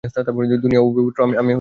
দুনিয়া অপবিত্র, আমি পবিত্র।